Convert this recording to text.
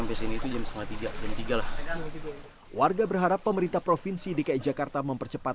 sampai sini itu jam setengah tiga jam tiga lah warga berharap pemerintah provinsi dki jakarta mempercepat